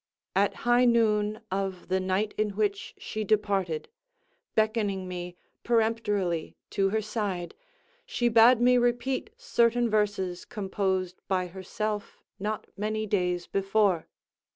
At high noon of the night in which she departed, beckoning me, peremptorily, to her side, she bade me repeat certain verses composed by herself not many days before.